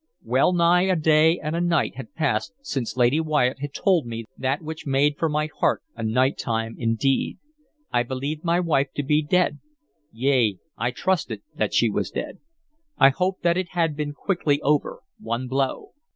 Well nigh a day and a night had passed since Lady Wyatt had told me that which made for my heart a night time indeed. I believed my wife to be dead, yea, I trusted that she was dead. I hoped that it had been quickly over, one blow....